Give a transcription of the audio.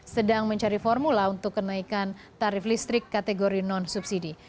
sedang mencari formula untuk kenaikan tarif listrik kategori non subsidi